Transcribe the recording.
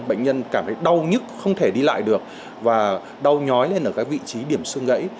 bệnh nhân cảm thấy đau nhức không thể đi lại được và đau nhói lên ở các vị trí điểm xương gãy